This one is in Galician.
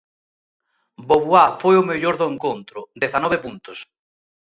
Bobuá foi o mellor do encontro, dezanove puntos.